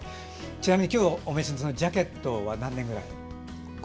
ちなみに今日お召しのジャケットは何年ぐらいの？